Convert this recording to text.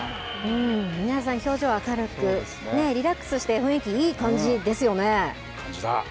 皆さん、表情明るくリラックスして雰囲気いい感じですよね。